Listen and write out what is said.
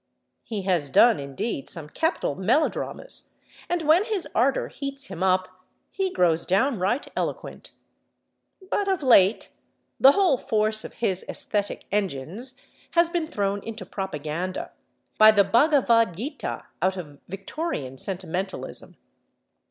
He has done, indeed, some capital melodramas, and when his ardor heats him up he grows downright eloquent. But of late the whole force of his æsthetic engines has been thrown into propaganda, by the Bhagavad Gītā out of Victorian sentimentalism.